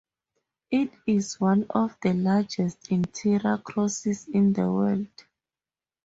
It is one of the largest interior crosses in the world.